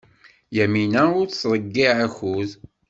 Yamina ur tḍeyyeɛ akud.